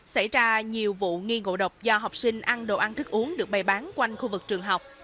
xảy ra nhiều vụ nghi ngộ độc do học sinh ăn đồ ăn thức uống được bày bán quanh khu vực trường học